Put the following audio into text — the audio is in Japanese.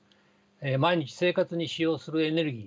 毎日生活に使用するエネルギー